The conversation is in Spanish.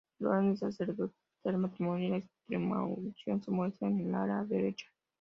El orden sacerdotal, el matrimonio y la extremaunción se muestran en el ala derecha.